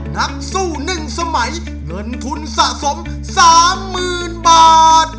นักสู้หนึ่งสมัยเงินทุนสะสมสามหมื่นบาท